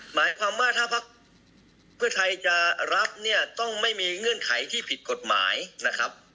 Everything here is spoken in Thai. หมายความว่าถ้าพักเพื่อไทยจะรับเนี่ยต้องไม่มีเงื่อนไขที่ผิดกฎหมายนะครับ